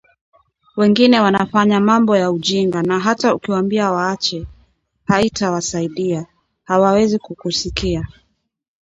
Wengine wanafanya mambo ya ujinga na hata ukiwambia waache, haitawasaidia, hawezi kukusikia